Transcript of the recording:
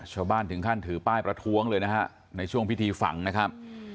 ชาวบ้านถึงขั้นถือป้ายประท้วงเลยนะฮะในช่วงพิธีฝังนะครับ